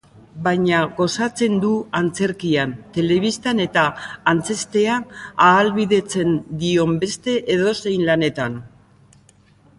Baina gozatzen du antzerkian, telebistan eta antzestea ahalbidetzen dion beste edozein lanetan.